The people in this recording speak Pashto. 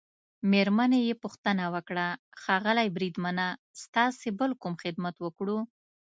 مېرمنې يې پوښتنه وکړه: ښاغلی بریدمنه، ستاسي بل کوم خدمت وکړو؟